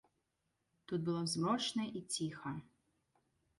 Тут было змрочна і ціха.